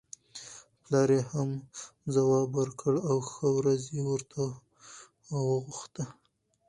پلار یې هم ځواب ورکړ او ښه ورځ یې ورته وغوښته.